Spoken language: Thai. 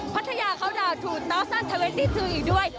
พัทยาเคาะดาว๒๐๒๒อีกด้วย